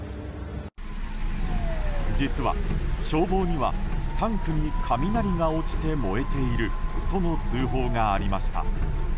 実は、消防にはタンクに雷が落ちて燃えているとの通報がありました。